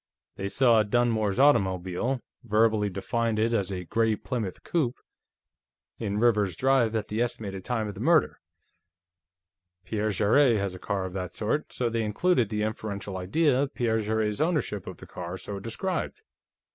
They saw Dunmore's automobile, verbally defined as a 'gray Plymouth coupé' in Rivers's drive at the estimated time of the murder. Pierre Jarrett has a car of that sort, so they included the inferential idea of Pierre Jarrett's ownership of the car so described.